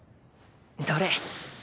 どれ。